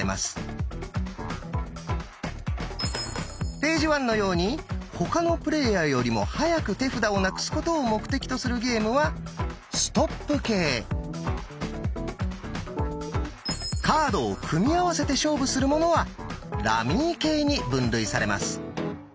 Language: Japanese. ページワンのように他のプレイヤーよりも早く手札をなくすことを目的とするゲームはカードを組み合せて勝負するものはラミー系に分類されます。